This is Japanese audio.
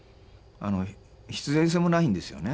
必然性もないんですよね